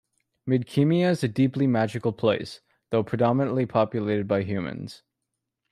Midkemia is a deeply magical place, though predominantly populated by humans.